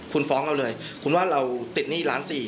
คุณฟ้องเราเลยคุณว่าเราติดหนี้ล้านสี่